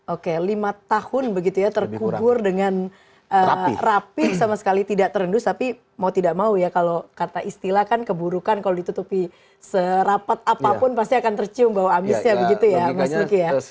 oke lima tahun begitu ya terkubur dengan rapih sama sekali tidak terendus tapi mau tidak mau ya kalau kata istilah kan keburukan kalau ditutupi serapat apapun pasti akan tercium bahwa abisnya begitu ya mas nuki ya